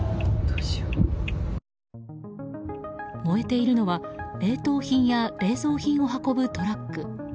燃えているのは冷凍品や冷蔵品を運ぶトラック。